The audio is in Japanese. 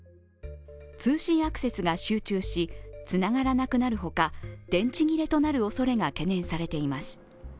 通信アクセスが集中しつながらなくなるほか、電池切れとなるおそれが懸念されています。